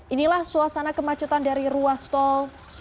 inilah suasana kemacetan dari ruas tol